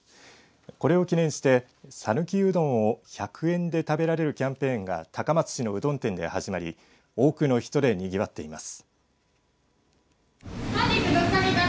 これを記念して、讃岐うどんを１００円で食べられるキャンペーンが高松市のうどん店で始まり多くの人でにぎわっています。